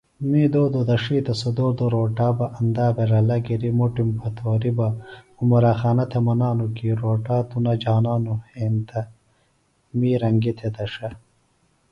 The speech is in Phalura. می دودوۡ دڇھی تہ دودوۡ روٹا بہ اندا بھےۡ رھلہ گِریۡ بہ مُٹِم پھتوریۡ بہ عُمرا خانہ تھےۡ منانوۡ کیۡ روٹا توۡ نہ جھانانوۡ ہینتہ می رنگیۡ تھےۡ دڇھہ